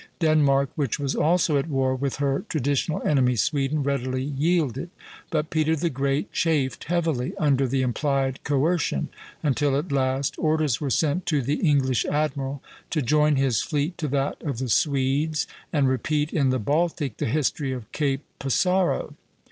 Denmark, which was also at war with her traditional enemy Sweden, readily yielded; but Peter the Great chafed heavily under the implied coercion, until at last orders were sent to the English admiral to join his fleet to that of the Swedes and repeat in the Baltic the history of Cape Passaro.